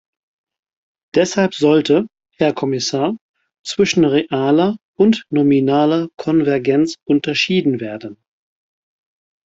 Deshalb sollte, Herr Kommissar, zwischen realer und nominaler Konvergenz unterschieden werden.